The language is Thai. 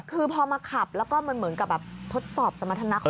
คือพอมาขับแล้วก็มันเหมือนกับแบบทดสอบสมรรถนะ